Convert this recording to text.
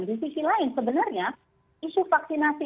dan di sisi lain sebenarnya isu vaksinasi